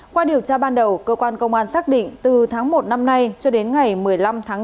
qua điều tra ban đầu cơ quan công an xác định từ tháng một năm nay cho đến ngày một mươi năm tháng bốn